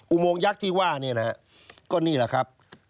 อุโมงยักษ์ที่ว่านี่แหละก็นี่แหละครับ